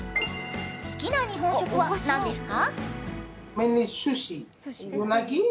好きな日本食は、何ですか？